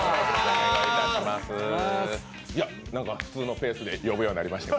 なんか普通のペースで呼ぶようになりまして。